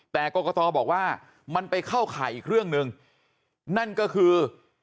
แต่กรกตบอกว่ามันไปเข้าข่ายอีกเรื่องหนึ่งนั่นก็คือ